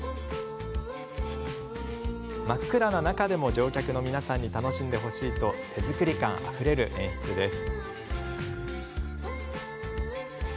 真っ暗な中でも乗客の皆さんに楽しんでほしいと手作り感あふれる演出です。